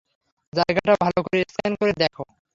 জায়গাটা ভাল করে স্ক্যান করে দেখো।